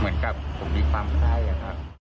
เหมือนกับผมมีความไข้อะครับ